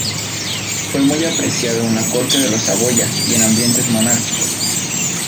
Fue muy apreciado en la corte de los Saboya y en ambientes monárquicos.